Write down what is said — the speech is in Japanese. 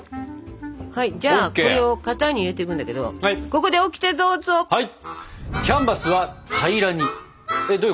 はいじゃあこれを型に入れていくんだけどここでオキテどうぞ！